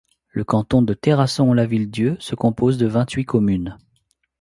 Le canton de Terrasson-Lavilledieu se compose de vingt-huit communes.